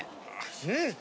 うん。